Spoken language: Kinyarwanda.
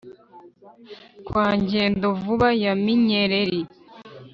kwa ngendo-vuba ya minyereri,